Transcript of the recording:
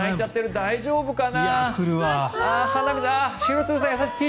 大丈夫かな。